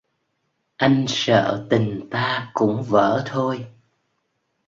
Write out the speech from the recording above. Anh sợ tình ta cũng vỡ thôi